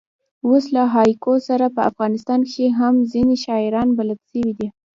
اوس له هایکو سره په افغانستان کښي هم ځیني شاعران بلد سوي دي.